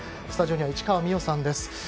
スタジオには市川美余さんです。